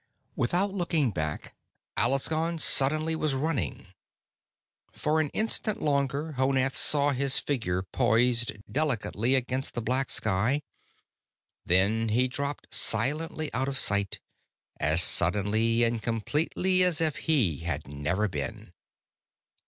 Without looking back, Alaskon suddenly was running. For an instant longer Honath saw his figure, poised delicately against the black sky. Then he dropped silently out of sight, as suddenly and completely as if he had never been.